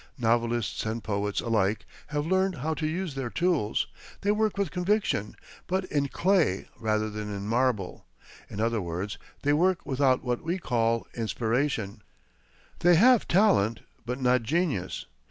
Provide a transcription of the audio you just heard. Novelists and poets alike have learned how to use their tools; they work with conviction but in clay rather than in marble. In other words, they work without what we call inspiration; they have talent, but not genius.